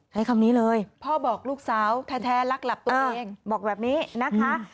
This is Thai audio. ใช้คำนี้เลยพ่อบอกลูกสาวแท้รักหลับตัวเองบอกแบบนี้นะคะ